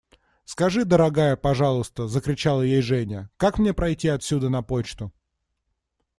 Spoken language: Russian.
Скажи, дорогая, пожалуйста, – закричала ей Женя, – как мне пройти отсюда на почту?